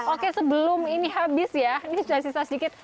oke sebelum ini habis ya ini sudah sisa sedikit